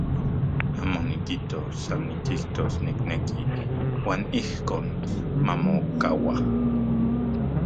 Amo nikijtos, san nikijtos nikneki uan ijkon mamokaua.